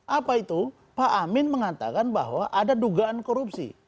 apa itu pak amin mengatakan bahwa ada dugaan korupsi